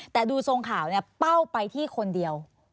แต่ดูทรงข่าวเนี่ยเป้าไปที่คนเดียว